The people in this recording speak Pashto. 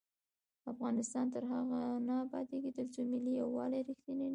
افغانستان تر هغو نه ابادیږي، ترڅو ملي یووالی رښتینی نشي.